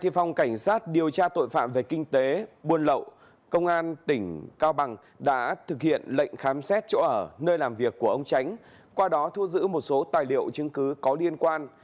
phòng cảnh sát điều tra tội phạm về kinh tế buôn lậu công an tỉnh cao bằng đã thực hiện lệnh khám xét chỗ ở nơi làm việc của ông tránh qua đó thu giữ một số tài liệu chứng cứ có liên quan